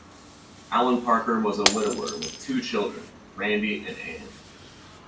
Alan Parker was a widower with two children, Randy and Ann.